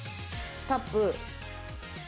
タップ。